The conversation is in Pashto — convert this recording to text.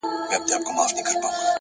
د لرې غږونو ګډوالی د ښار ژوند جوړوي,